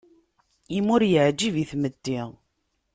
Imi ur yeɛjib i tmetti.